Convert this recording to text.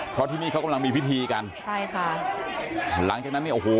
เพราะที่นี่เขากำลังมีพิธีกันใช่ค่ะหลังจากนั้นเนี่ยโอ้โห